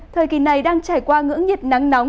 thời kỳ này đang trải qua ngưỡng nhiệt nắng nóng